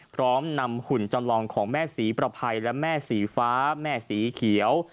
พร้อมนำหุ่นจำลองของแม่ศรีประภัยและแม่สีฟ้าแม่สีเขียว